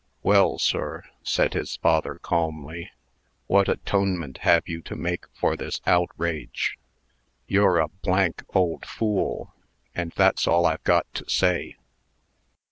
"Well, sir," said his father, calmly, "what atonement have you to make for this outrage?" "You're a old fool, and that's all I've got to say."